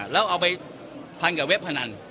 แล้วเอาไปพันกับเว็บพนัน